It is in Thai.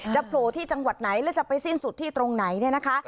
โผล่ที่จังหวัดไหนแล้วจะไปสิ้นสุดที่ตรงไหนเนี่ยนะคะ